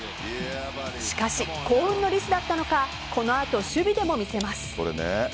しかし、幸運のリスだったのかこの後、守備でも見せます。